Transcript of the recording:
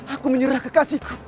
aku menyerah kekasihku